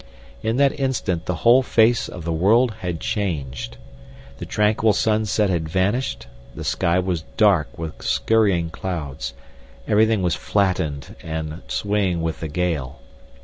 In that instant the whole face of the world had changed. The tranquil sunset had vanished, the sky was dark with scurrying clouds, everything was flattened and swaying with the gale.